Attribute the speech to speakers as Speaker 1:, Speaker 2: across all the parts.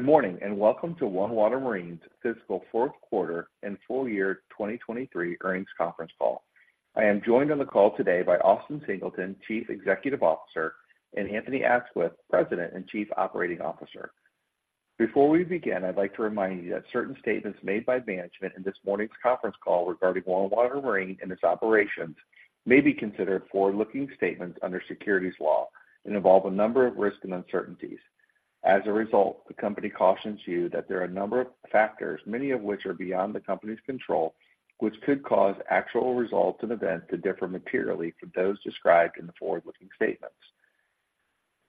Speaker 1: Good morning, and welcome to OneWater Marine's fiscal fourth quarter and full year 2023 earnings conference call. I am joined on the call today by Austin Singleton, Chief Executive Officer, and Anthony Aisquith, President and Chief Operating Officer. Before we begin, I'd like to remind you that certain statements made by management in this morning's conference call regarding OneWater Marine and its operations may be considered forward-looking statements under securities law and involve a number of risks and uncertainties. As a result, the company cautions you that there are a number of factors, many of which are beyond the company's control, which could cause actual results and events to differ materially from those described in the forward-looking statements.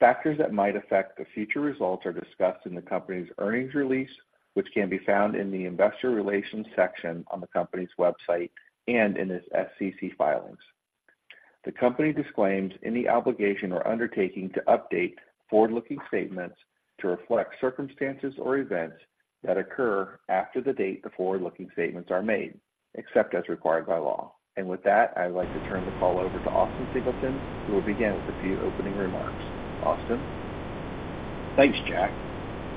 Speaker 1: Factors that might affect the future results are discussed in the company's earnings release, which can be found in the investor relations section on the company's website and in its SEC filings. The company disclaims any obligation or undertaking to update forward-looking statements to reflect circumstances or events that occur after the date the forward-looking statements are made, except as required by law. With that, I'd like to turn the call over to Austin Singleton, who will begin with a few opening remarks. Austin?
Speaker 2: Thanks, Jack,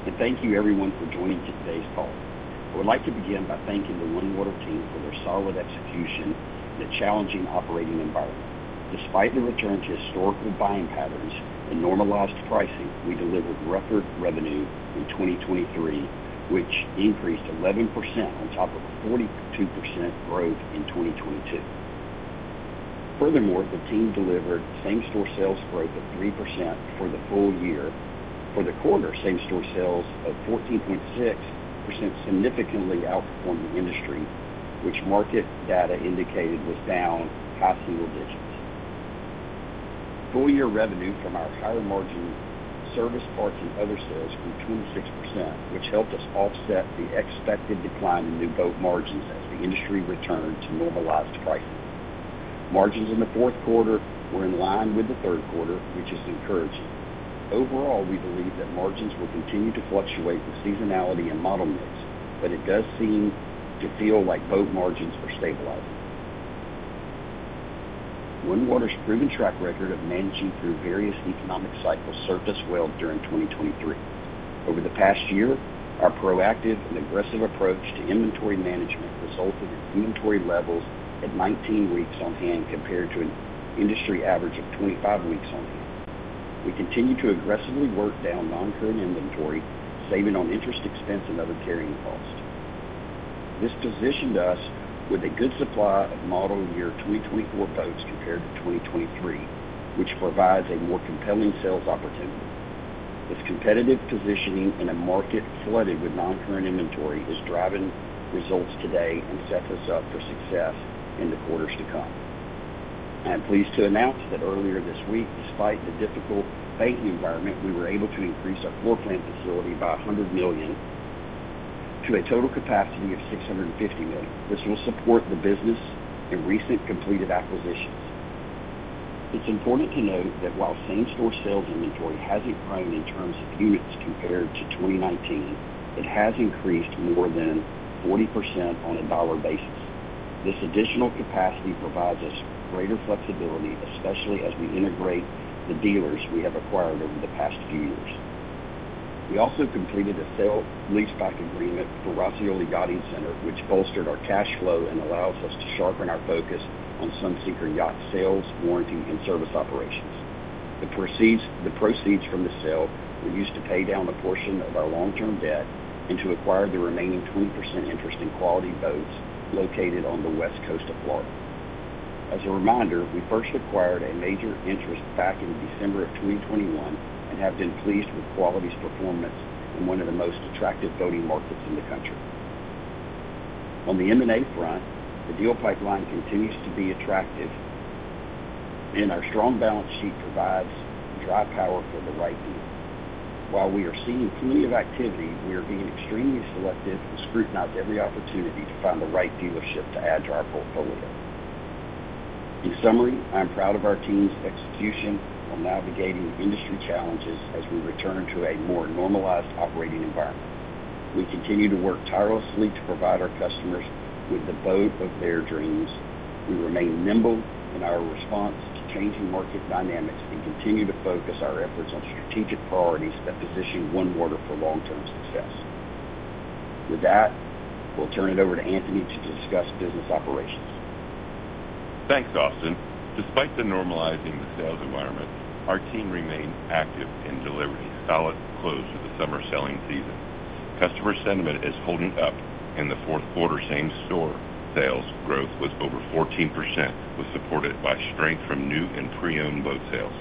Speaker 2: and thank you everyone for joining today's call. I would like to begin by thanking the OneWater team for their solid execution in a challenging operating environment. Despite the return to historical buying patterns and normalized pricing, we delivered record revenue in 2023, which increased 11% on top of a 42% growth in 2022. Furthermore, the team delivered same-store sales growth of 3% for the full year. For the quarter, same-store sales of 14.6% significantly outperformed the industry, which market data indicated was down high single digits. Full-year revenue from our higher-margin service, parts, and other sales grew 26%, which helped us offset the expected decline in new boat margins as the industry returned to normalized pricing. Margins in the fourth quarter were in line with the third quarter, which is encouraging. Overall, we believe that margins will continue to fluctuate with seasonality and model mix, but it does seem to feel like boat margins are stabilizing. OneWater's proven track record of managing through various economic cycles served us well during 2023. Over the past year, our proactive and aggressive approach to inventory management resulted in inventory levels at 19 weeks on hand, compared to an industry average of 25 weeks on hand. We continue to aggressively work down noncurrent inventory, saving on interest expense and other carrying costs. This positioned us with a good supply of model year 2024 boats compared to 2023, which provides a more compelling sales opportunity. This competitive positioning in a market flooded with noncurrent inventory is driving results today and sets us up for success in the quarters to come. I'm pleased to announce that earlier this week, despite the difficult banking environment, we were able to increase our floor plan facility by $100 million to a total capacity of $650 million. This will support the business in recent completed acquisitions. It's important to note that while same-store sales inventory hasn't grown in terms of units compared to 2019, it has increased more than 40% on a dollar basis. This additional capacity provides us greater flexibility, especially as we integrate the dealers we have acquired over the past few years. We also completed a sale leaseback agreement for Roscioli Yachting Center, which bolstered our cash flow and allows us to sharpen our focus on Sunseeker yachts sales, warranty, and service operations. The proceeds, the proceeds from the sale were used to pay down a portion of our long-term debt and to acquire the remaining 20% interest in Quality Boats, located on the West Coast of Florida. As a reminder, we first acquired a major interest back in December of 2021 and have been pleased with Quality's performance in one of the most attractive boating markets in the country. On the M&A front, the deal pipeline continues to be attractive, and our strong balance sheet provides dry powder for the right deal. While we are seeing plenty of activity, we are being extremely selective and scrutinizing every opportunity to find the right dealership to add to our portfolio. In summary, I'm proud of our team's execution while navigating industry challenges as we return to a more normalized operating environment. We continue to work tirelessly to provide our customers with the boat of their dreams. We remain nimble in our response to changing market dynamics and continue to focus our efforts on strategic priorities that position OneWater for long-term success. With that, we'll turn it over to Anthony to discuss business operations.
Speaker 3: Thanks, Austin. Despite the normalizing the sales environment, our team remains active and delivered a solid close to the summer selling season. Customer sentiment is holding up, and the fourth quarter same-store sales growth was over 14%, was supported by strength from new and pre-owned boat sales.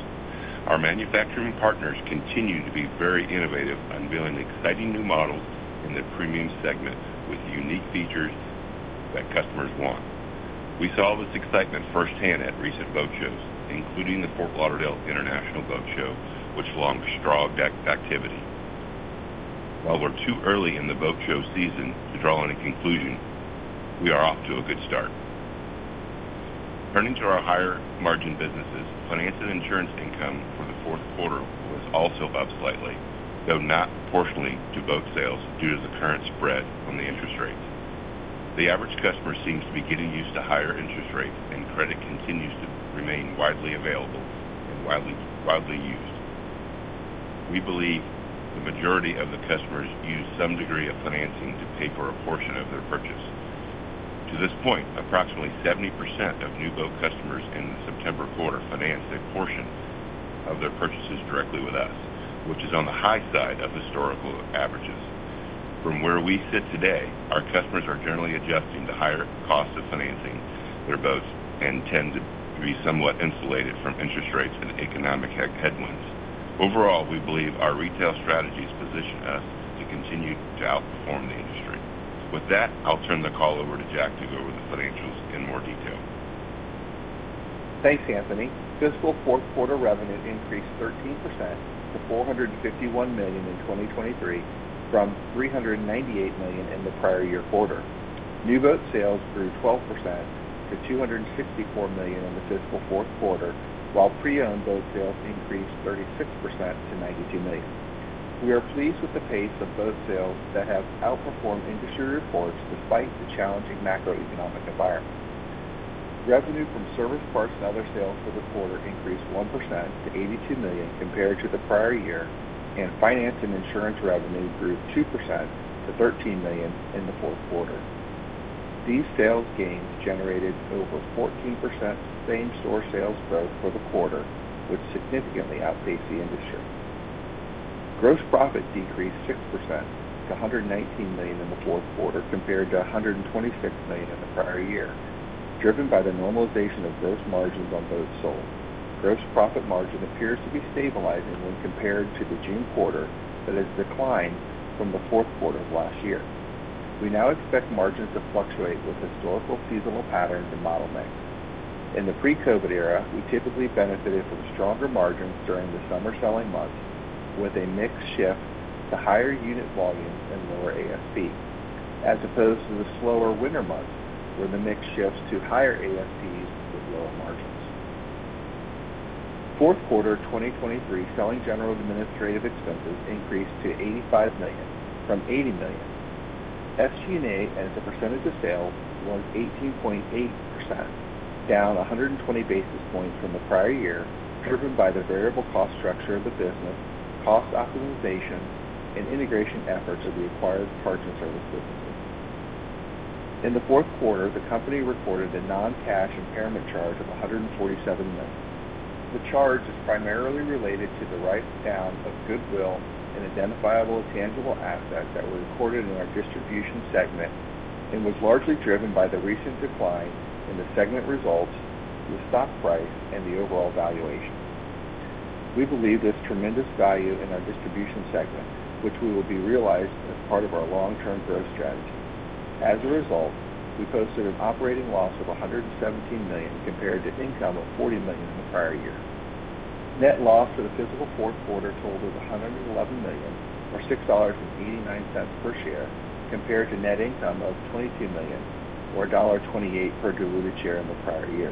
Speaker 3: Our manufacturing partners continue to be very innovative, unveiling exciting new models in the premium segment with unique features that customers want. We saw this excitement firsthand at recent boat shows, including the Fort Lauderdale International Boat Show, which launched strong deck activity. While we're too early in the boat show season to draw any conclusion, we are off to a good start. Turning to our higher-margin businesses, finance and insurance income for the fourth quarter was also up slightly, though not proportionally to boat sales due to the current spread on the interest rates. The average customer seems to be getting used to higher interest rates, and credit continues to remain widely available and widely, widely used. We believe the majority of the customers use some degree of financing to pay for a portion of their purchase. To this point, approximately 70% of new boat customers in the September quarter financed a portion of their purchases directly with us, which is on the high side of historical averages. From where we sit today, our customers are generally adjusting to higher costs of financing their boats and tend to be somewhat insulated from interest rates and economic headwinds. Overall, we believe our retail strategies position us to continue to outperform the industry. With that, I'll turn the call over to Jack to go over the financials in more detail.
Speaker 1: Thanks, Anthony. Fiscal fourth quarter revenue increased 13% to $451 million in 2023, from $398 million in the prior year quarter. New boat sales grew 12% to $264 million in the fiscal fourth quarter, while pre-owned boat sales increased 36% to $92 million. We are pleased with the pace of boat sales that have outperformed industry reports despite the challenging macroeconomic environment. Revenue from service, parts, and other sales for the quarter increased 1% to $82 million compared to the prior year, and finance and insurance revenue grew 2% to $13 million in the fourth quarter. These sales gains generated over 14% same-store sales growth for the quarter, which significantly outpaced the industry. Gross profit decreased 6% to $119 million in the fourth quarter, compared to $126 million in the prior year, driven by the normalization of gross margins on boats sold. Gross profit margin appears to be stabilizing when compared to the June quarter, but has declined from the fourth quarter of last year. We now expect margins to fluctuate with historical seasonal patterns and model mix. In the pre-COVID era, we typically benefited from stronger margins during the summer selling months, with a mix shift to higher unit volumes and lower ASP, as opposed to the slower winter months, where the mix shifts to higher ASPs with lower margins. Fourth quarter 2023 selling general administrative expenses increased to $85 million from $80 million. SG&A, as a percentage of sales, was 18.8%, down 120 basis points from the prior year, driven by the variable cost structure of the business, cost optimization, and integration efforts of the acquired parts and service businesses. In the fourth quarter, the company recorded a non-cash impairment charge of $147 million. The charge is primarily related to the write down of goodwill and identifiable tangible assets that were recorded in our distribution segment and was largely driven by the recent decline in the segment results, the stock price, and the overall valuation. We believe there's tremendous value in our distribution segment, which will be realized as part of our long-term growth strategy. As a result, we posted an operating loss of $117 million compared to income of $40 million in the prior year. Net loss for the fiscal fourth quarter totaled $111 million, or $6.89 per share, compared to net income of $22 million or $1.28 per diluted share in the prior year.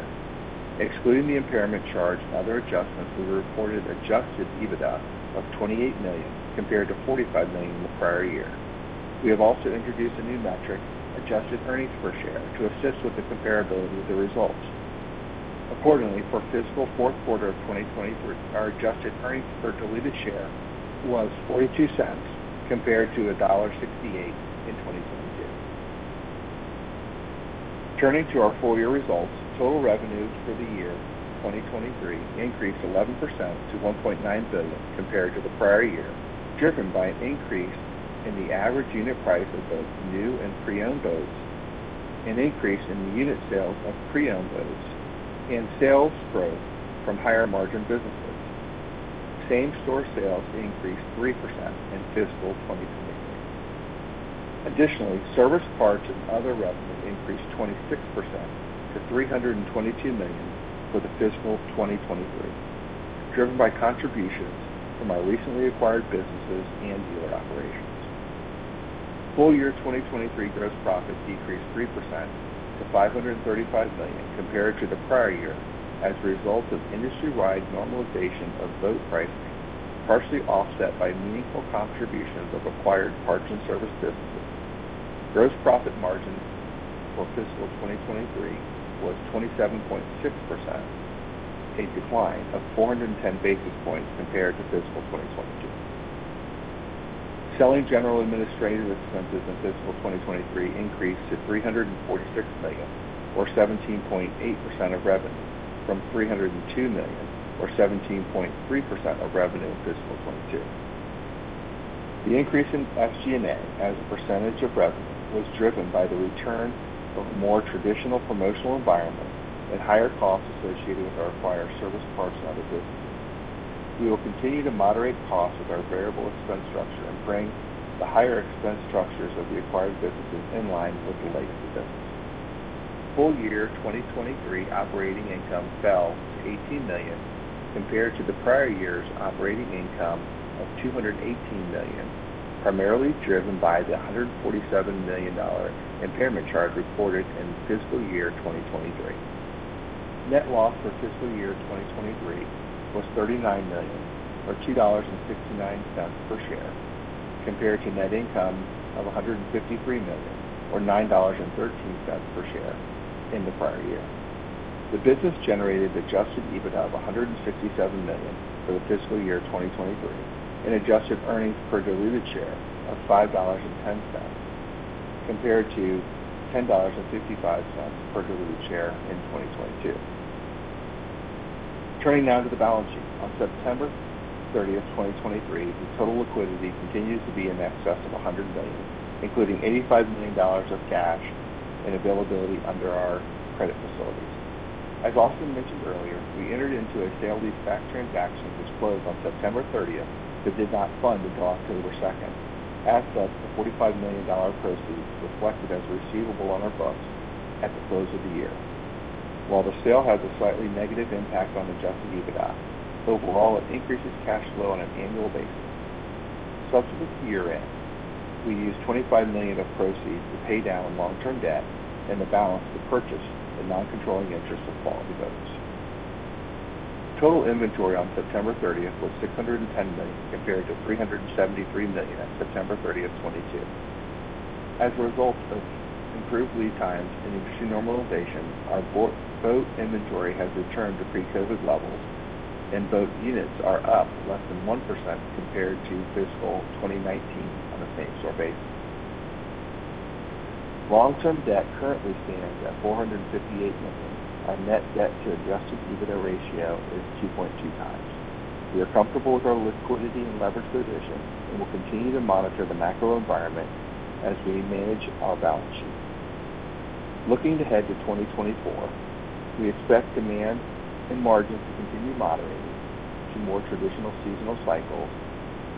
Speaker 1: Excluding the impairment charge and other adjustments, we reported Adjusted EBITDA of $28 million, compared to $45 million in the prior year. We have also introduced a new metric, adjusted earnings per share, to assist with the comparability of the results. Accordingly, for fiscal fourth quarter of 2023, our adjusted earnings per diluted share was $0.42 compared to $1.68 in 2022. Turning to our full year results, total revenues for the year 2023 increased 11% to $1.9 billion compared to the prior year, driven by an increase in the average unit price of both new and pre-owned boats, an increase in the unit sales of pre-owned boats, and sales growth from higher margin businesses. Same-store sales increased 3% in fiscal 2023. Additionally, service, parts, and other revenue increased 26% to $322 million for the fiscal 2023, driven by contributions from our recently acquired businesses and dealer operations. Full year 2023 gross profit decreased 3% to $535 million compared to the prior year, as a result of industry-wide normalization of boat pricing, partially offset by meaningful contributions of acquired parts and service businesses. Gross profit margins for fiscal 2023 was 27.6%, a decline of 410 basis points compared to fiscal 2022. Selling general administrative expenses in fiscal 2023 increased to $346 million, or 17.8% of revenue, from $302 million or 17.3% of revenue in fiscal 2022. The increase in SG&A as a percentage of revenue, was driven by the return of a more traditional promotional environment and higher costs associated with our acquired service, parts, and other businesses. We will continue to moderate costs with our variable expense structure and bring the higher expense structures of the acquired businesses in line with the legacy business. Full year 2023 operating income fell to $18 million, compared to the prior year's operating income of $218 million, primarily driven by the $147 million impairment charge reported in fiscal year 2023. Net loss for fiscal year 2023 was $39 million, or $2.69 per share, compared to net income of $153 million, or $9.13 per share in the prior year. The business generated Adjusted EBITDA of $157 million for the fiscal year 2023, and adjusted earnings per diluted share of $5.10, compared to $10.55 per diluted share in 2022. Turning now to the balance sheet. On September 30, 2023, the total liquidity continues to be in excess of $100 million, including $85 million of cash and availability under our credit facilities. As Austin mentioned earlier, we entered into a sale leaseback transaction, which closed on September 30, but did not fund until October 2. Assets of $45 million dollar proceeds reflected as a receivable on our books at the close of the year. While the sale has a slightly negative impact on Adjusted EBITDA, overall, it increases cash flow on an annual basis. Subsequent to year-end, we used $25 million of proceeds to pay down long-term debt and the balance to purchase the non-controlling interest of Quality Boats. Total inventory on September 30 was $610 million, compared to $373 million at September 30, 2022. As a result of improved lead times and industry normalization, our boat inventory has returned to pre-COVID levels, and boat units are up less than 1% compared to fiscal 2019 on a same-store basis. Long-term debt currently stands at $458 million. Our net debt to Adjusted EBITDA ratio is 2.2x. We are comfortable with our liquidity and leverage position and will continue to monitor the macro environment as we manage our balance sheet. Looking ahead to 2024, we expect demand and margins to continue moderating to more traditional seasonal cycles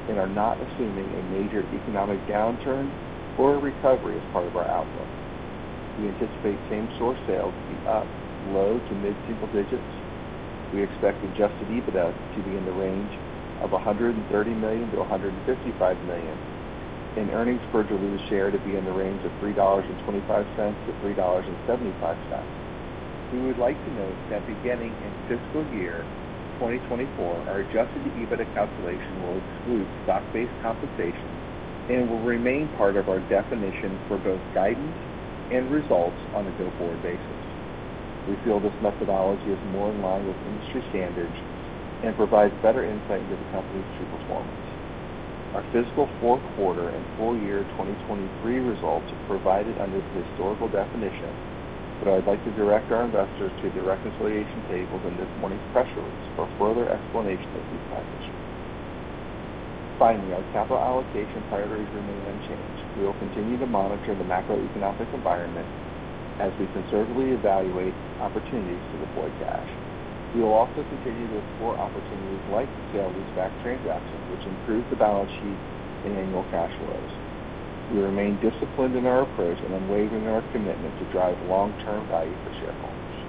Speaker 1: and are not assuming a major economic downturn or a recovery as part of our outlook. We anticipate same-store sales to be up low to mid-single digits. We expect Adjusted EBITDA to be in the range of $130 million-$155 million, and earnings per diluted share to be in the range of $3.25-$3.75. We would like to note that beginning in fiscal year 2024, our Adjusted EBITDA calculation will exclude stock-based compensation and will remain part of our definition for both guidance and results on a go-forward basis. We feel this methodology is more in line with industry standards and provides better insight into the company's true performance. Our fiscal fourth quarter and full year 2023 results are provided under the historical definition, but I'd like to direct our investors to the reconciliation tables in this morning's press release for further explanation of these items. Finally, our capital allocation priorities remain unchanged. We will continue to monitor the macroeconomic environment as we conservatively evaluate opportunities to deploy cash. We will also continue to explore opportunities like the sale-leaseback transaction, which improves the balance sheet and annual cash flows. We remain disciplined in our approach and unwavering in our commitment to drive long-term value for shareholders.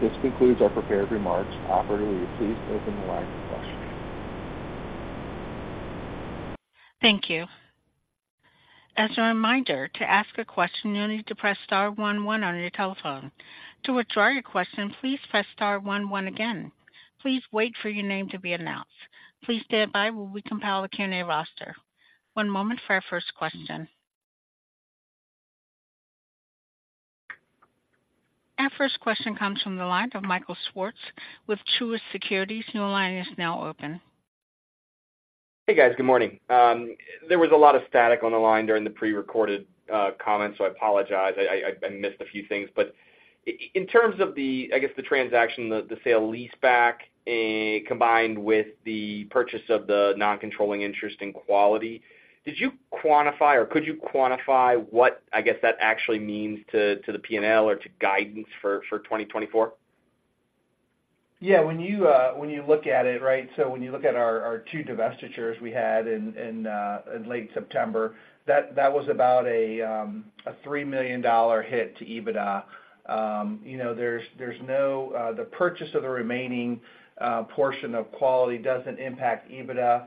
Speaker 1: This concludes our prepared remarks. Operator, will you please open the line for questioning?
Speaker 4: Thank you. As a reminder, to ask a question, you'll need to press star one, one on your telephone. To withdraw your question, please press star one, one again. Please wait for your name to be announced. Please stand by while we compile the Q&A roster. One moment for our first question. Our first question comes from the line of Michael Swartz with Truist Securities. Your line is now open.
Speaker 5: Hey, guys. Good morning. There was a lot of static on the line during the prerecorded comments, so I apologize. I missed a few things. But in terms of the, I guess, the transaction, the sale-leaseback combined with the purchase of the non-controlling interest in Quality, did you quantify or could you quantify what, I guess, that actually means to the PNL or to guidance for 2024?
Speaker 1: Yeah. When you, when you look at it, right? So when you look at our two divestitures we had in late September, that was about a $3 million hit to EBITDA. You know, there's no, the purchase of the remaining portion of Quality doesn't impact EBITDA,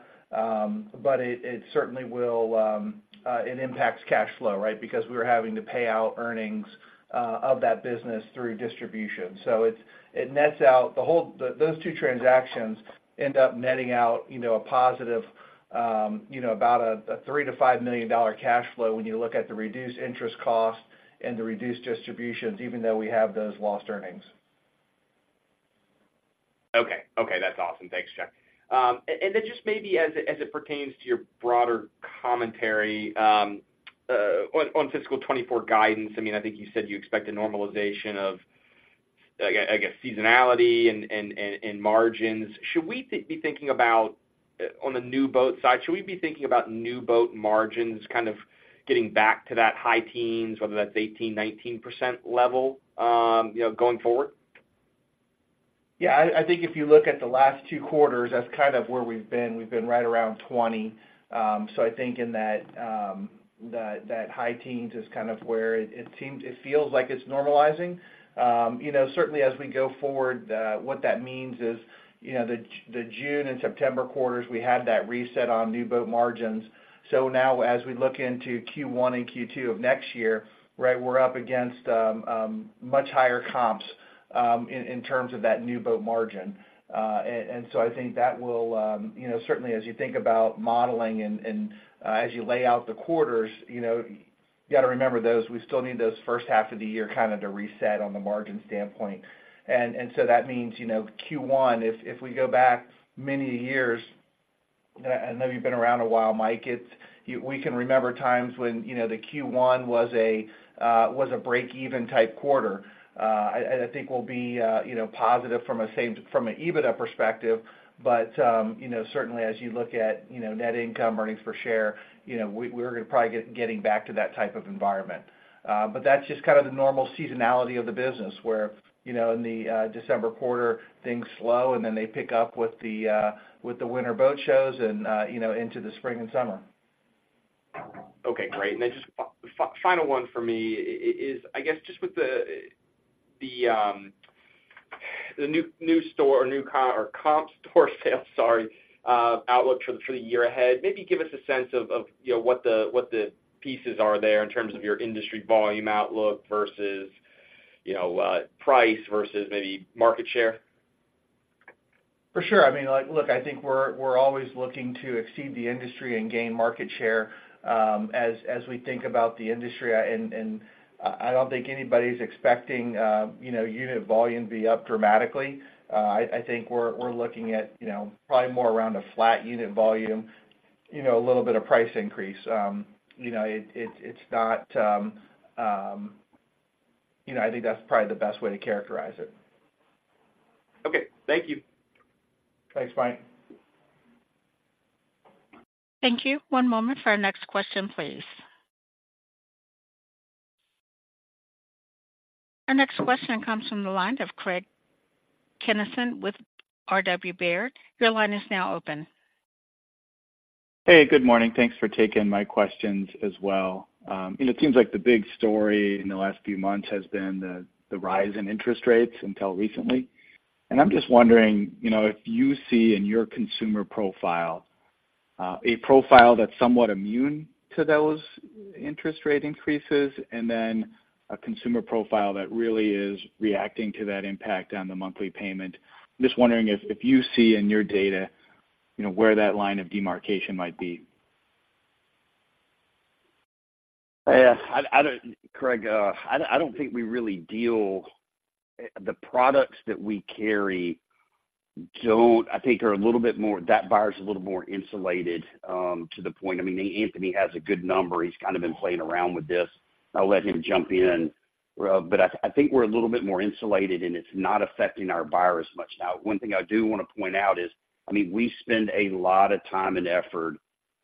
Speaker 1: but it certainly will, it impacts cash flow, right? Because we were having to pay out earnings of that business through distribution. So it's, it nets out the whole, the, those two transactions end up netting out, you know, a positive, you know, about a $3-$5 million cash flow when you look at the reduced interest costs and the reduced distributions, even though we have those lost earnings.
Speaker 5: Okay. Okay, that's awesome. Thanks, Jack. And then just maybe as it pertains to your broader commentary on fiscal 2024 guidance, I mean, I think you said you expect a normalization of, I guess, seasonality and margins. Should we be thinking about, on the new boat side, should we be thinking about new boat margins kind of getting back to that high teens, whether that's 18%-19% level, you know, going forward?
Speaker 1: Yeah, I think if you look at the last two quarters, that's kind of where we've been. We've been right around 20. So I think in that, that high teens is kind of where it seems, it feels like it's normalizing. You know, certainly as we go forward, what that means is, you know, the June and September quarters, we had that reset on new boat margins. So now as we look into Q1 and Q2 of next year, right, we're up against much higher comps in terms of that new boat margin. And so I think that will, you know, certainly as you think about modeling and as you lay out the quarters, you know. You got to remember those, we still need those first half of the year kind of to reset on the margin standpoint. And so that means, you know, Q1, if we go back many years, and I know you've been around a while, Mike, it's you we can remember times when, you know, the Q1 was a break-even type quarter. I think we'll be, you know, positive from a same-store, from an EBITDA perspective. But, you know, certainly as you look at, you know, net income, earnings per share, you know, we're going to probably get back to that type of environment. But that's just kind of the normal seasonality of the business, where, you know, in the December quarter, things slow, and then they pick up with the winter boat shows and, you know, into the spring and summer.
Speaker 5: Okay, great. And then just final one for me is, I guess, just with the new-store comparable-store sales outlook for the year ahead. Maybe give us a sense of, you know, what the pieces are there in terms of your industry volume outlook versus, you know, price versus maybe market share?
Speaker 1: For sure. I mean, like, look, I think we're always looking to exceed the industry and gain market share, as we think about the industry. And I don't think anybody's expecting, you know, unit volume to be up dramatically. I think we're looking at, you know, probably more around a flat unit volume, you know, a little bit of price increase. You know, it's not, you know, I think that's probably the best way to characterize it.
Speaker 5: Okay. Thank you.
Speaker 1: Thanks, Mike.
Speaker 4: Thank you. One moment for our next question, please. Our next question comes from the line of Craig Kennison with RW Baird. Your line is now open.
Speaker 6: Hey, good morning. Thanks for taking my questions as well. It seems like the big story in the last few months has been the rise in interest rates until recently. I'm just wondering, you know, if you see in your consumer profile a profile that's somewhat immune to those interest rate increases, and then a consumer profile that really is reacting to that impact on the monthly payment. Just wondering if you see in your data, you know, where that line of demarcation might be.
Speaker 2: Yeah, I don't, Craig, I don't think we really deal. The products that we carry don't, I think, are a little bit more, that buyer's a little more insulated, to the point. I mean, Anthony has a good number. He's kind of been playing around with this. I'll let him jump in. But I think we're a little bit more insulated, and it's not affecting our buyers much. Now, one thing I do want to point out is, I mean, we spend a lot of time and effort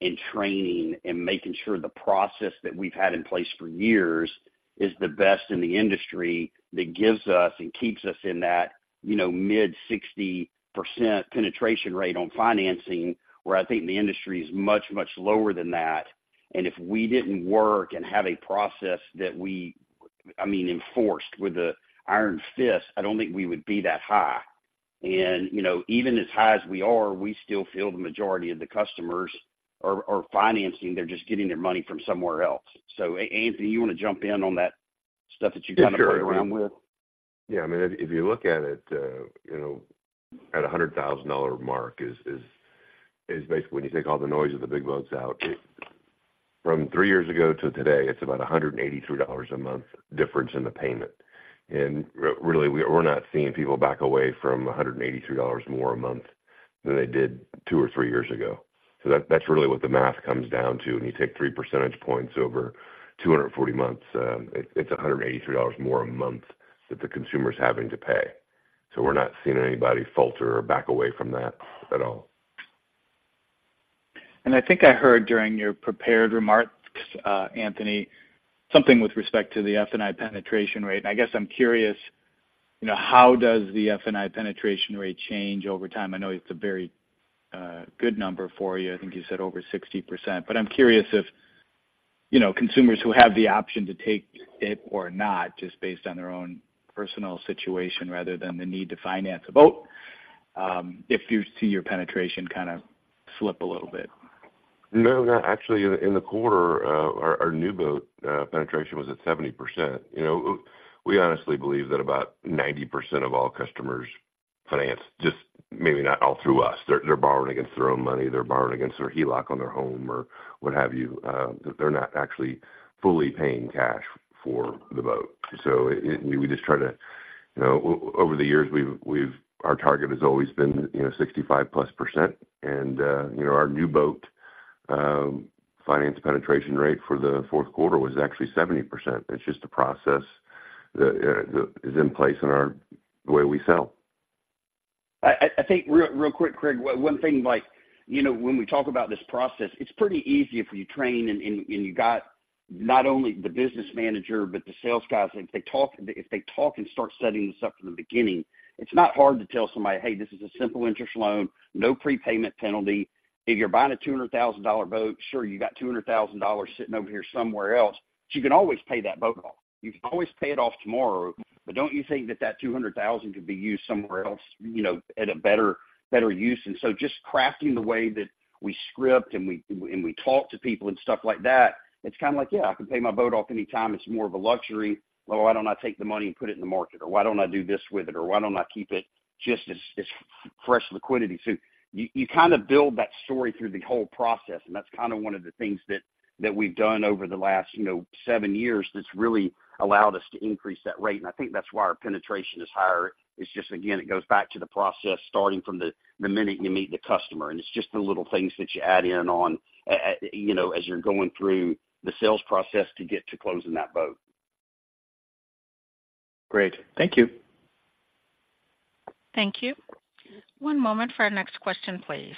Speaker 2: in training and making sure the process that we've had in place for years is the best in the industry that gives us and keeps us in that, you know, mid-60% penetration rate on financing, where I think the industry is much, much lower than that. And if we didn't work and have a process that we, I mean, enforced with an iron fist, I don't think we would be that high. And, you know, even as high as we are, we still feel the majority of the customers are financing, they're just getting their money from somewhere else. So, Anthony, you want to jump in on that stuff that you kind of play around with?
Speaker 3: Yeah, I mean, if you look at it, you know, at a $100,000 mark, is basically when you take all the noise of the big boats out, from three years ago to today, it's about a $183 a month difference in the payment. And really, we're not seeing people back away from a $183 more a month than they did two or three years ago. So that's really what the math comes down to. When you take 3 percentage points over 240 months, it's a $183 more a month that the consumer's having to pay. So we're not seeing anybody falter or back away from that at all.
Speaker 6: And I think I heard during your prepared remarks, Anthony, something with respect to the F&I penetration rate. And I guess I'm curious, you know, how does the F&I penetration rate change over time? I know it's a very good number for you. I think you said over 60%. But I'm curious if, you know, consumers who have the option to take it or not, just based on their own personal situation rather than the need to finance a boat, if you see your penetration kind of slip a little bit?
Speaker 3: No, not actually. In the quarter, our new boat penetration was at 70%. You know, we honestly believe that about 90% of all customers finance, just maybe not all through us. They're borrowing against their own money. They're borrowing against their HELOC on their home or what have you. They're not actually fully paying cash for the boat. So we just try to, you know, over the years, we've our target has always been, you know, 65%+. And, you know, our new boat finance penetration rate for the fourth quarter was actually 70%. It's just a process that that is in place in our the way we sell.
Speaker 2: I think real quick, Craig, one thing, like, you know, when we talk about this process, it's pretty easy if you train and you got not only the business manager but the sales guys, if they talk, if they talk and start setting this up from the beginning, it's not hard to tell somebody, "Hey, this is a simple interest loan, no prepayment penalty. If you're buying a $200,000 boat, sure, you got $200,000 sitting over here somewhere else. But you can always pay that boat off. You can always pay it off tomorrow, but don't you think that $200,000 could be used somewhere else, you know, at a better, better use?" And so just crafting the way that we script and we, and we talk to people and stuff like that, it's kind of like, yeah, I can pay my boat off anytime. It's more of a luxury. Well, why don't I take the money and put it in the market? Or why don't I do this with it? Or why don't I keep it just as, as fresh liquidity? So you, you kind of build that story through the whole process, and that's kind of one of the things that, that we've done over the last, you know, seven years that's really allowed us to increase that rate. And I think that's why our penetration is higher. It's just, again, it goes back to the process, starting from the minute you meet the customer, and it's just the little things that you add in on, you know, as you're going through the sales process to get to closing that boat.
Speaker 6: Great. Thank you.
Speaker 4: Thank you. One moment for our next question, please.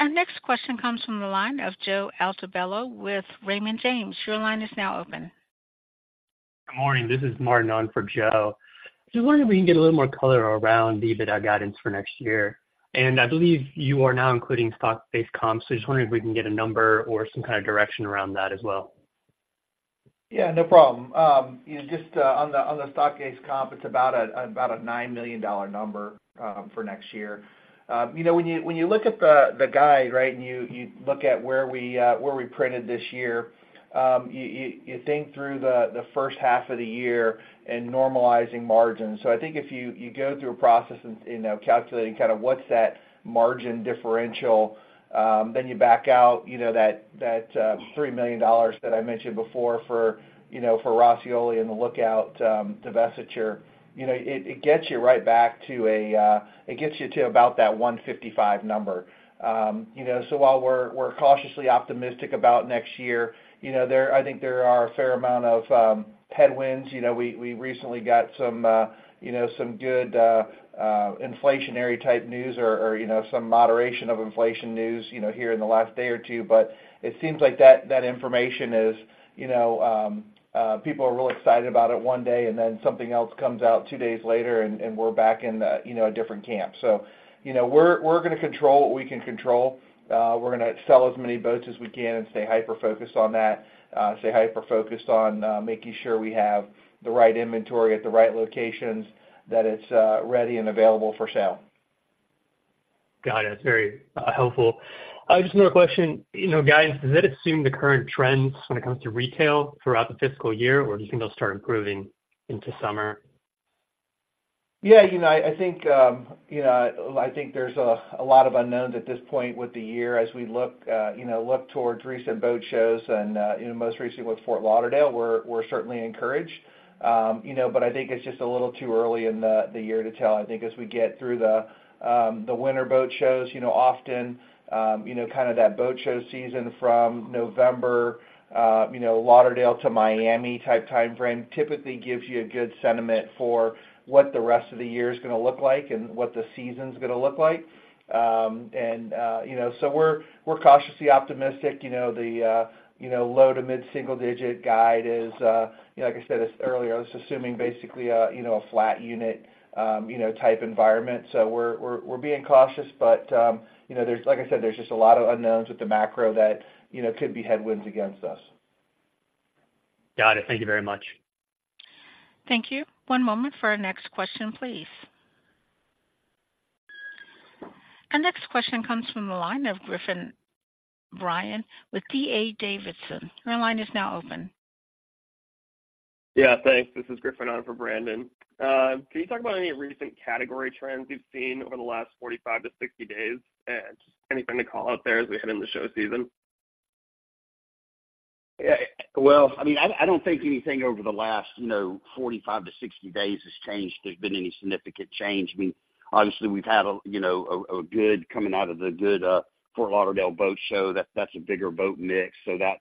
Speaker 4: Our next question comes from the line of Joe Altobello with Raymond James. Your line is now open.
Speaker 7: Good morning. This is Martin on for Joe. Just wondering if we can get a little more color around the EBITDA guidance for next year. And I believe you are now including stock-based comps, so just wondering if we can get a number or some kind of direction around that as well.
Speaker 1: Yeah, no problem. You know, just on the stock-based comp, it's about a $9 million number for next year. You know, when you look at the guide, right? And you look at where we printed this year, you think through the first half of the year and normalizing margins. So I think if you go through a process and, you know, calculating kind of what's that margin differential, then you back out, you know, that $3 million that I mentioned before for, you know, for Roscioli and the Lookout divestiture, you know, it gets you right back to a, it gets you to about that $155 number. You know, so while we're cautiously optimistic about next year, you know, there—I think there are a fair amount of headwinds. You know, we recently got some good inflationary-type news or, you know, some moderation of inflation news, you know, here in the last day or two. But it seems like that information is, you know, people are really excited about it one day, and then something else comes out two days later, and we're back in, you know, a different camp. So, you know, we're going to control what we can control. We're going to sell as many boats as we can and stay hyper-focused on that, making sure we have the right inventory at the right locations, that it's ready and available for sale.
Speaker 7: Got it. That's very helpful. Just another question. You know, guys, does that assume the current trends when it comes to retail throughout the fiscal year, or do you think they'll start improving into summer?
Speaker 1: Yeah, you know, I think, you know, I think there's a lot of unknowns at this point with the year as we look, you know, look towards recent boat shows and, you know, most recently with Fort Lauderdale, we're certainly encouraged. You know, but I think it's just a little too early in the year to tell. I think as we get through the winter boat shows, you know, often, you know, kind of that boat show season from November, you know, Lauderdale to Miami type timeframe, typically gives you a good sentiment for what the rest of the year is going to look like and what the season's going to look like. And, you know, so we're cautiously optimistic. You know, the, you know, low to mid-single digit guide is, you know, like I said, this earlier, I was assuming basically a, you know, a flat unit, you know, type environment. So we're being cautious, but, you know, there's, like I said, there's just a lot of unknowns with the macro that, you know, could be headwinds against us.
Speaker 7: Got it. Thank you very much.
Speaker 4: Thank you. One moment for our next question, please. Our next question comes from the line of Griffin Bryan with D.A. Davidson. Your line is now open.
Speaker 8: Yeah, thanks. This is Griffin on for Brandon. Can you talk about any recent category trends you've seen over the last 45-60 days? And anything to call out there as we head into show season?
Speaker 2: Yeah, well, I mean, I don't think anything over the last, you know, 45-60 days has changed. There's been any significant change. I mean, obviously, we've had a, you know, a good coming out of the good Fort Lauderdale boat show. That's a bigger boat mix. So that's,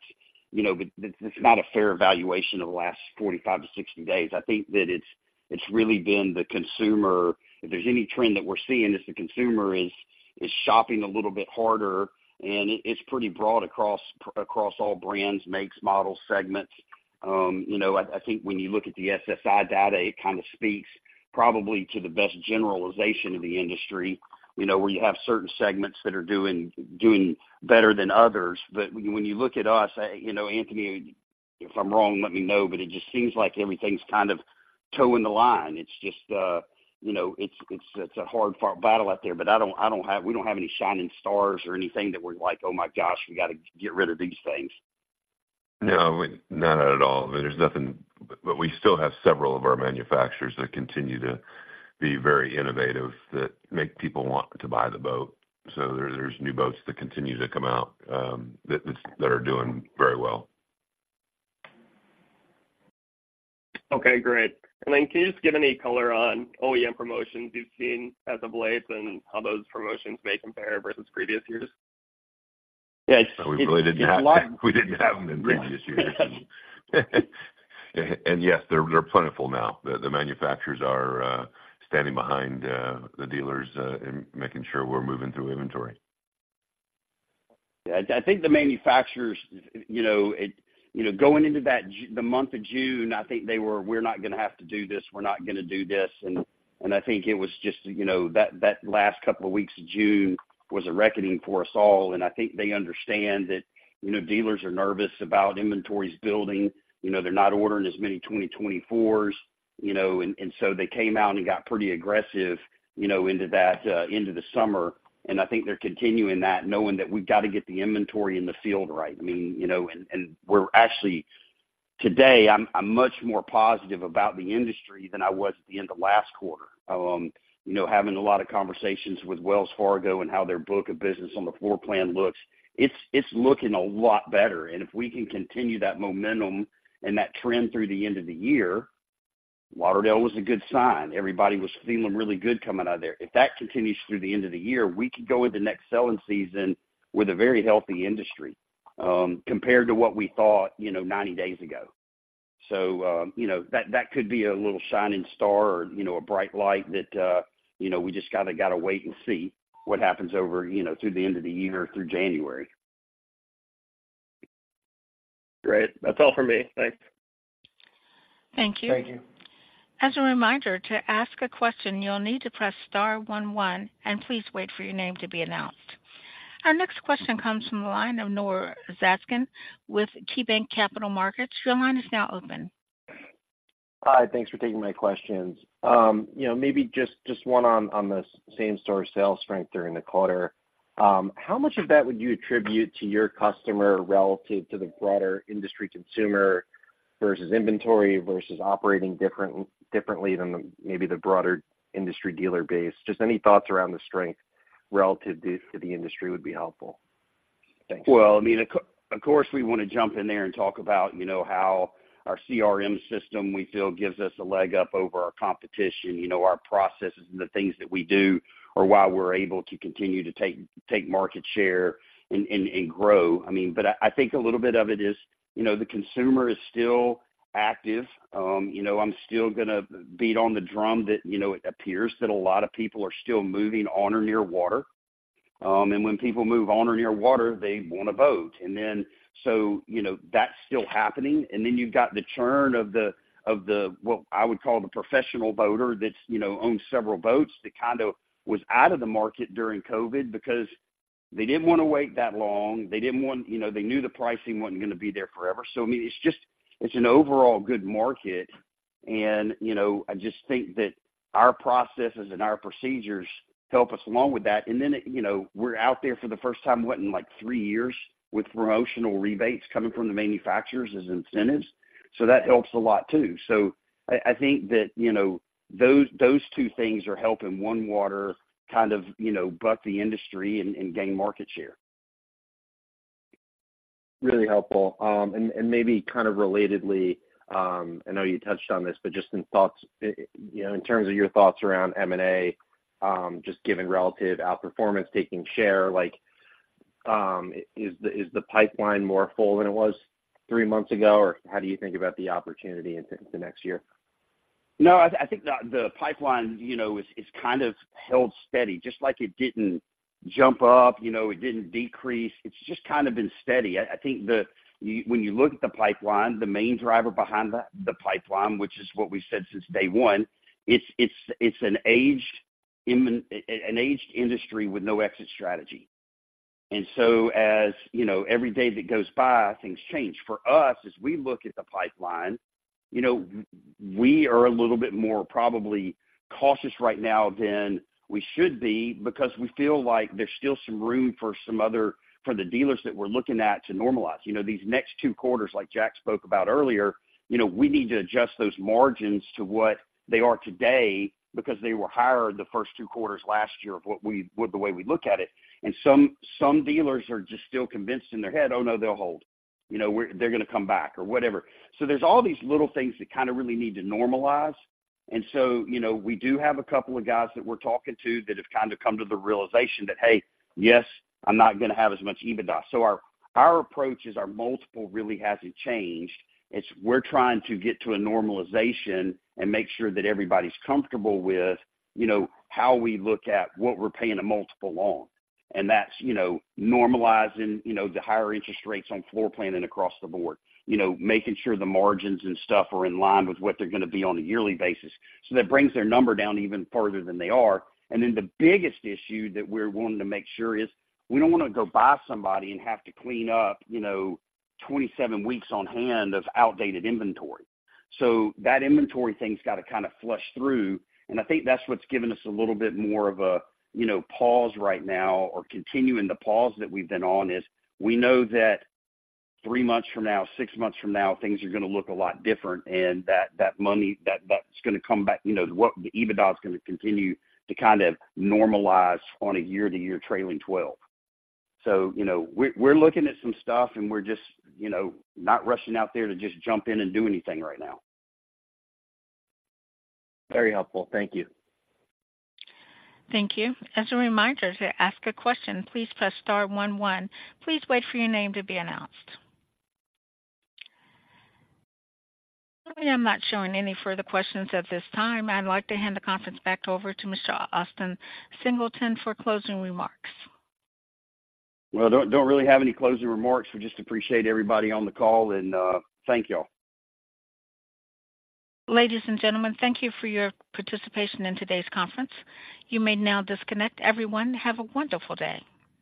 Speaker 2: you know, but it's not a fair evaluation of the last 45-60 days. I think that it's really been the consumer. If there's any trend that we're seeing, it's the consumer is shopping a little bit harder, and it's pretty broad across all brands, makes, models, segments. You know, I think when you look at the SSI data, it kind of speaks probably to the best generalization of the industry. You know, where you have certain segments that are doing better than others. But when you look at us, you know, Anthony, if I'm wrong, let me know, but it just seems like everything's kind of toeing the line. It's just, you know, it's a hard-fought battle out there, but I don't, we don't have any shining stars or anything that we're like, oh, my gosh, we got to get rid of these things.
Speaker 3: No, not at all. There's nothing. But we still have several of our manufacturers that continue to be very innovative, that make people want to buy the boat. So there, there's new boats that continue to come out, that are doing very well.
Speaker 8: Okay, great. Then, can you just give any color on OEM promotions you've seen as of late and how those promotions may compare versus previous years?
Speaker 2: Yeah, it's-
Speaker 3: We really didn't have them in previous years. Yes, they're plentiful now. The manufacturers are standing behind the dealers and making sure we're moving through inventory.
Speaker 2: Yeah, I think the manufacturers, you know, going into the month of June, I think they were, "We're not going to have to do this. We're not going to do this." And I think it was just, you know, that last couple of weeks of June was a reckoning for us all, and I think they understand that, you know, dealers are nervous about inventories building. You know, they're not ordering as many 2024s, you know, and so they came out and got pretty aggressive, you know, into the summer. And I think they're continuing that, knowing that we've got to get the inventory in the field right. I mean, you know, and we're actually, today, I'm much more positive about the industry than I was at the end of last quarter. You know, having a lot of conversations with Wells Fargo and how their book of business on the floor plan looks, it's looking a lot better. And if we can continue that momentum and that trend through the end of the year, Lauderdale was a good sign. Everybody was feeling really good coming out of there. If that continues through the end of the year, we could go into the next selling season with a very healthy industry, compared to what we thought, you know, 90 days ago. So, you know, that could be a little shining star or, you know, a bright light that, you know, we just kind of got to wait and see what happens over, you know, through the end of the year, through January.
Speaker 8: Great. That's all for me. Thanks.
Speaker 4: Thank you.
Speaker 2: Thank you.
Speaker 4: As a reminder, to ask a question, you'll need to press star one, one, and please wait for your name to be announced. Our next question comes from the line of Noah Zatzkin with KeyBanc Capital Markets. Your line is now open.
Speaker 9: Hi, thanks for taking my questions. You know, maybe just, just one on, on the same-store sales strength during the quarter. How much of that would you attribute to your customer relative to the broader industry consumer versus inventory versus operating different, differently than the, maybe the broader industry dealer base? Just any thoughts around the strength relative to, to the industry would be helpful. Thanks.
Speaker 2: Well, I mean, of course, we want to jump in there and talk about, you know, how our CRM system, we feel, gives us a leg up over our competition. You know, our processes and the things that we do are why we're able to continue to take market share and grow. I mean, but I think a little bit of it is, you know, the consumer is still active. You know, I'm still going to beat on the drum that, you know, it appears that a lot of people are still moving on or near water. And when people move on or near water, they want to boat. And then, so, you know, that's still happening. And then you've got the churn of the what I would call the professional boater, that's, you know, owns several boats, that kind of was out of the market during COVID because they didn't want to wait that long. They didn't want, you know, they knew the pricing wasn't going to be there forever. So, I mean, it's just, it's an overall good market, and, you know, I just think that our processes and our procedures help us along with that. And then, you know, we're out there for the first time, what, in, like, three years with promotional rebates coming from the manufacturers as incentives. So that helps a lot, too. So I think that, you know, those two things are helping OneWater kind of, you know, buck the industry and gain market share.
Speaker 9: Really helpful. Maybe kind of relatedly, I know you touched on this, but just in thoughts, you know, in terms of your thoughts around M&A, just given relative outperformance, taking share, like, is the pipeline more full than it was three months ago? Or how do you think about the opportunity in the next year?
Speaker 2: No, I think the pipeline, you know, is kind of held steady. Just like it didn't jump up, you know, it didn't decrease. It's just kind of been steady. I think when you look at the pipeline, the main driver behind the pipeline, which is what we've said since day one, it's an aged industry with no exit strategy. And so as you know, every day that goes by, things change. For us, as we look at the pipeline, you know, we are a little bit more probably cautious right now than we should be because we feel like there's still some room for some other, for the dealers that we're looking at to normalize. You know, these next two quarters, like Jack spoke about earlier, you know, we need to adjust those margins to what they are today because they were higher the first two quarters last year of what we with the way we look at it. Some dealers are just still convinced in their head, "Oh, no, they'll hold," you know, "They're going to come back or whatever." So there's all these little things that kind of really need to normalize. So, you know, we do have a couple of guys that we're talking to that have kind of come to the realization that, "Hey, yes, I'm not going to have as much EBITDA." So our approach is our multiple really hasn't changed. We're trying to get to a normalization and make sure that everybody's comfortable with, you know, how we look at what we're paying a multiple on. And that's, you know, normalizing, you know, the higher interest rates on floor planning across the board. You know, making sure the margins and stuff are in line with what they're going to be on a yearly basis. So that brings their number down even further than they are. And then the biggest issue that we're wanting to make sure is, we don't want to go buy somebody and have to clean up, you know, 27 weeks on hand of outdated inventory. So that inventory thing's got to kind of flush through, and I think that's what's given us a little bit more of a, you know, pause right now or continuing the pause that we've been on, is we know that three months from now, six months from now, things are going to look a lot different, and that, that money, that, that's going to come back. You know, what-- the EBITDA is going to continue to kind of normalize on a year-to-year trailing twelve. So, you know, we're, we're looking at some stuff, and we're just, you know, not rushing out there to just jump in and do anything right now.
Speaker 9: Very helpful. Thank you.
Speaker 4: Thank you. As a reminder, to ask a question, please press star one, one. Please wait for your name to be announced. Currently, I'm not showing any further questions at this time. I'd like to hand the conference back over to Mr. Austin Singleton for closing remarks.
Speaker 2: Well, don't really have any closing remarks. We just appreciate everybody on the call, and thank you all.
Speaker 4: Ladies and gentlemen, thank you for your participation in today's conference. You may now disconnect. Everyone, have a wonderful day.